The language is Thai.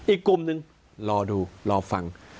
อีกกลุ่มหนึ่งรอดูรอฟัง